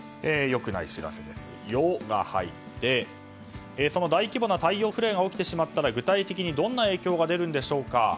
良くない知らせの「ヨ」が入ってその大規模な太陽フレアが起きてしまったら具体的にどんな影響が出るんでしょうか。